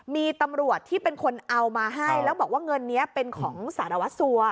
มีตำรวจที่เป็นคนเอามาให้แล้วบอกว่าเงินนี้เป็นของสารวัสสัว